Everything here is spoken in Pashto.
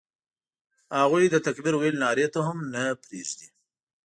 هغوی د تکبیر ویلو نارې ته هم نه پرېږدي.